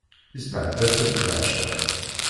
Isbehba-tent leɛceq.